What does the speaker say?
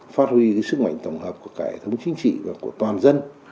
phát huy cái sức mạnh tổng hợp của cái hệ thống chính trị và của toàn dân